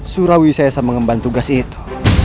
surawi sesa mengembang tugas itu